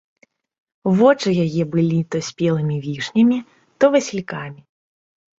Вочы яе былі то спелымі вішнямі, то васількамі.